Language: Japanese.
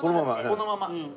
このまま？